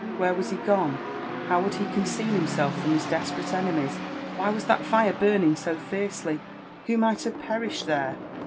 — ^Where was begone? — How would he conceal himself from his desperate enemies? — ^Why was that fire burning so fiercely ?— Who might have perished there